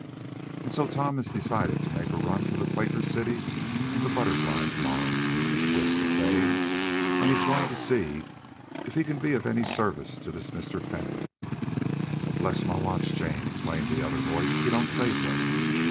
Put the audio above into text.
"And so Tom has decided to make a run to the Quaker City in the BUTTERFLY, to morrow," Mr. Swift was saying, "and he's going to see if he can be of any service to this Mr. Fenwick." "Bless my watch chain!" exclaimed the other voice. "You don't say so!